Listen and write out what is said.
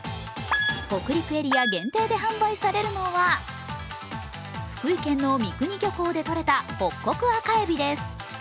北陸エリア限定で販売されるのは福井県の三国漁港でとれたホッコクアカエビです。